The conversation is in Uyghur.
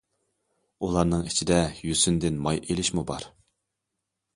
ئۇلارنىڭ ئىچىدە يۈسۈندىن ماي ئېلىشمۇ بار.